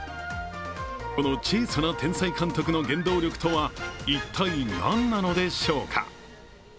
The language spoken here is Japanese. この小さな天才監督の原動力とは一体何なのでしょうか。